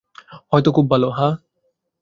হয়তো খুব ভালো, হ্যাঁ।